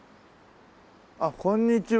あっこんにちは。